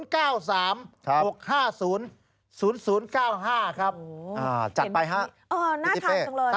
๐๙๓๖๕๐๐๐๙๕ครับจัดไปฮะพี่ติเป๊ะครับอ๋อน่าทางสำเร็จ